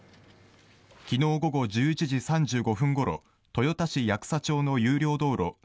昨日午後１１時３５分ごろ豊田市八草町の有料道路